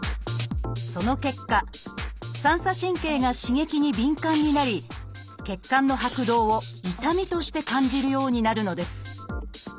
その結果三叉神経が刺激に敏感になり血管の拍動を痛みとして感じるようになるのです。